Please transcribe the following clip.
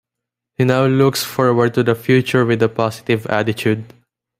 He now looks forward to the future with a positive attitude.